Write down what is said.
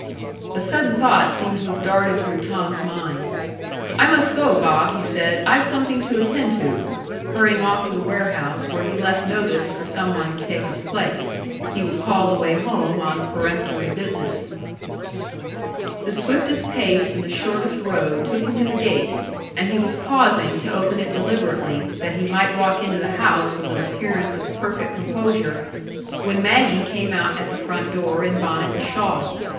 A sudden thought seemed to have darted through Tom's mind. "I must go, Bob," he said; "I've something to attend to," hurrying off to the warehouse, where he left notice for some one to take his place; he was called away home on peremptory business. The swiftest pace and the shortest road took him to the gate, and he was pausing to open it deliberately, that he might walk into the house with an appearance of perfect composure, when Maggie came out at the front door in bonnet and shawl.